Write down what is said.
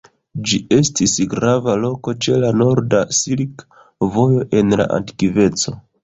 Ĝi estis grava loko ĉe la norda Silka Vojo en la antikveco.